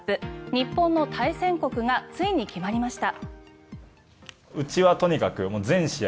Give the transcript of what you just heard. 日本の対戦国がついに決まりました。